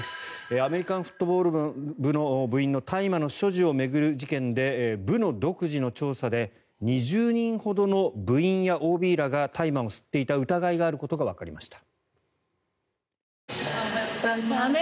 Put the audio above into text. アメリカンフットボール部の部員の大麻の所持を巡る問題で部の独自の調査で２０人ほどの部員やＯＢらが大麻を吸っていた疑いがあることがわかりました。